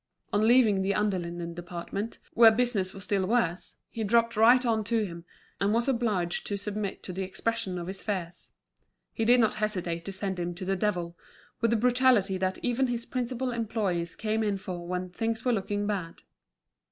On leaving the under linen department, where business was still worse, he dropped right on to him, and was obliged to submit to the expression of his fears. He did not hesitate to send him to the devil, with a brutality that even his principal employees came in for when things were looking bad.